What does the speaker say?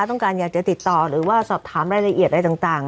ต้องการอยากจะติดต่อหรือว่าสอบถามรายละเอียดอะไรต่าง